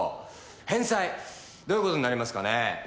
返済どういう事になりますかね？